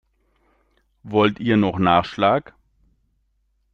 Wollt ihr noch Nachschlag?